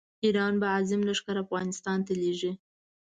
ایران به عظیم لښکر افغانستان ته لېږي.